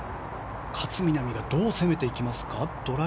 勝みなみがどう攻めていきますか。